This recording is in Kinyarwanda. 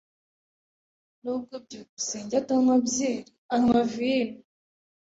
[S] Nubwo byukusenge atanywa byeri, anywa vino.